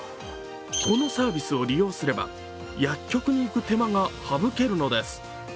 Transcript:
このサービスを利用すれば薬局に行く手間が省けるのです。